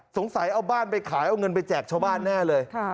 เอาบ้านไปขายเอาเงินไปแจกชาวบ้านแน่เลย